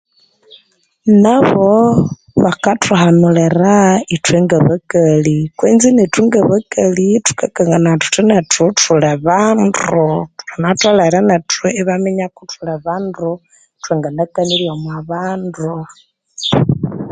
Nabo bakathuhanulira ithwe ngabakali kwenzi nethu ngabakali thukanganaya thuthi nethu thuli bandu banatholere nethu ibaminya kuthuli bandu thwanganakanirya omwa bandu.